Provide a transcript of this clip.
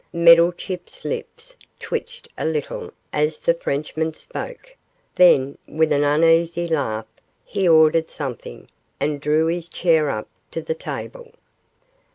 Meddlechip's lips twitched a little as the Frenchman spoke, then, with an uneasy laugh, he ordered something, and drew his chair up to the table.